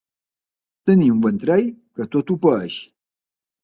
Tenir un ventrell que tot ho paeix.